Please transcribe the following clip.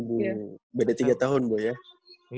oh dua ribu beda tiga tahun bu ya